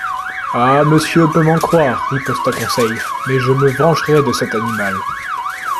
—Ah ! monsieur peut m'en croire, riposta Conseil, mais je me vengerai de cet animal.